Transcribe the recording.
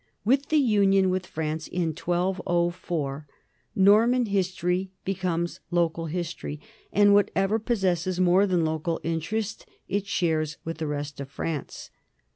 With the union with France in 1204 Norman history becomes local history, and whatever possesses more than local interest it shares with the rest of France.